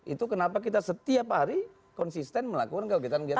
itu kenapa kita setiap hari konsisten melakukan kegiatan kegiatan